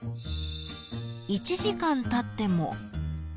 ［１時間たっても］